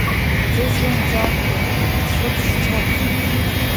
Ӡызлан-ӡаҳкәажә, бцәырҵ сҿаԥхьа!